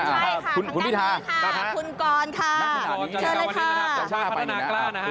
ใช่ค่ะคุณวิทาคุณกรช่วงชาวพัฒนากล้านะครับ